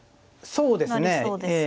そうですねええ。